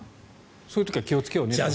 そういう時は気をつけようねって？